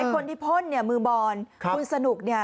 คนที่พ่นเนี่ยมือบอลคุณสนุกเนี่ย